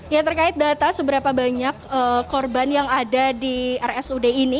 ya terkait data seberapa banyak korban yang ada di rsud ini